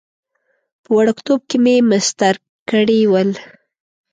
په وړکتوب کې مې مسطر کړي ول.